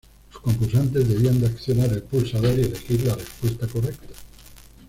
Los concursantes debían de accionar el pulsador y elegir la respuesta correcta.